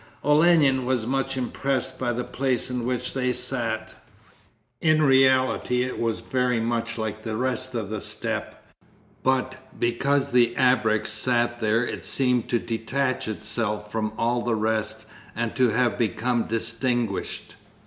Olenin was much impressed by the place in which they sat. In reality it was very much like the rest of the steppe, but because the ABREKS sat there it seemed to detach itself from all the rest and to have become distinguished.